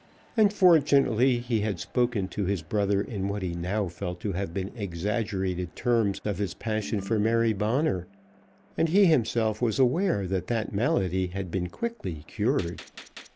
Unfortunately he had spoken to his brother in what he now felt to have been exaggerated terms of his passion for Mary Bonner, and he himself was aware that that malady had been quickly cured.